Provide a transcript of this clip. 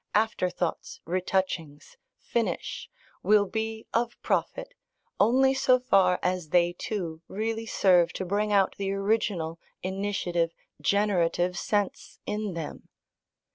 Afterthoughts, retouchings, finish, will be of profit only so far as they too really serve to bring out the original, initiative, generative, sense in them.